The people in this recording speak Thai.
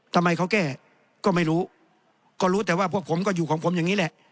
ทำไมเขาแก้ก็ไม่รู้ก็รู้แต่ว่าพวกผมก็อยู่ของผมอย่างนี้แหละ